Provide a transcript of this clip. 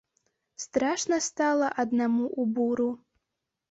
Страшна стала аднаму ў буру.